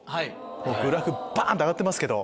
グラフバン！って上がってますけど。